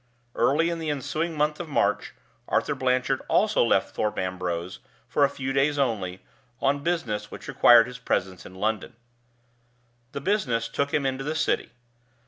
Early in the ensuing month of March, Arthur Blanchard also left Thorpe Ambrose, for a few days only, on business which required his presence in London. The business took him into the City.